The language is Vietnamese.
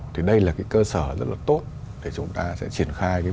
thì đây là cơ sở rất tốt để chúng ta sẽ triển khai